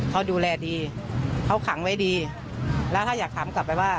เขาดูแลดีเขาขังไว้ดีแล้วถ้าอยากถามกลับไปว่า